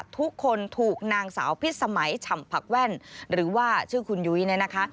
ทุกคนถูกนางสาวพิษสมัยฉ่ำผักแว่นหรือว่าชื่อคุณยุ้ยเนี่ยนะคะ